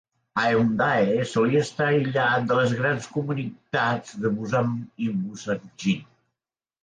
Haeundae solia estar aïllat de les grans comunitats de Busan i Busanjin.